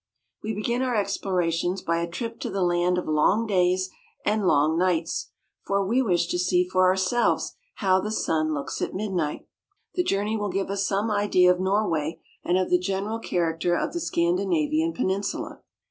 We begin our explorations by a trip to the land of long days and long nights, for we wish to see for ourselves how the sun looks at midnight. The journey will give us some idea of Norway and of the general character of the Scan dinavian Peninsula.